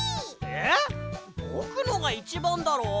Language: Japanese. えぼくのがいちばんだろう！